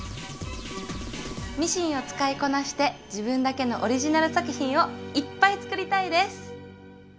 ミシンを使いこなして自分だけのオリジナル作品をいっぱい作りたいです！